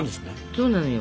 そうなのよ。